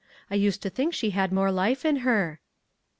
I used to think she had more life in her."